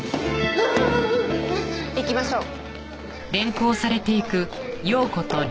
行きましょう。